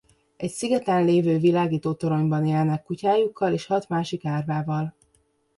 Egy szigeten lévő világítótoronyban élnek kutyájukkal és hat másik árvával.